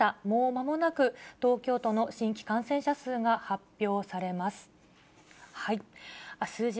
もうまもなく、東京都の新規感染者数が発表されます。